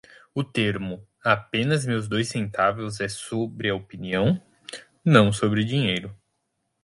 O termo "apenas meus dois centavos" é sobre a opinião? não sobre dinheiro.